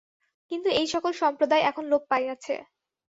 কিন্তু এই-সকল সম্প্রদায় এখন লোপ পাইয়াছে।